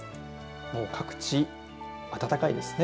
もう各地、暖かいですね。